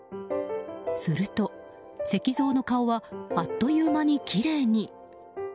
すると、石像の顔はあっという間にきれいに。